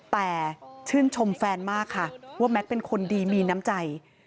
แต่ชื่นชมแฟนมากค่ะว่าแม็กซ์เป็นคนดีมีน้ำใจ